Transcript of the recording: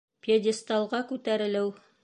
Пьедесталға күтәрелеү